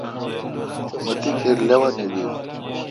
مہ تی کیر لاوینہ بیل۔